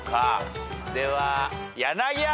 では柳原。